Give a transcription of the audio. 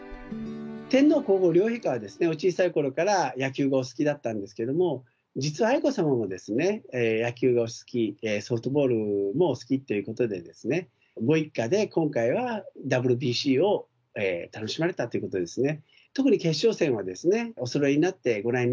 天皇皇后両陛下は、お小さいころから野球がお好きだったんですけども、実は愛子さまもですね、野球がお好き、ソフトボールもお好きということでですね、ご一家で今回はＷＢＣを楽しまれたということですね。